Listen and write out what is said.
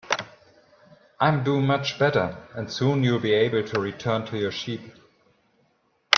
I'm doing much better, and soon you'll be able to return to your sheep.